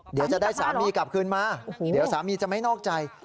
เดี๋ยวจะได้สามีกลับคืนมาเดี๋ยวสามีจะไม่นอกใจ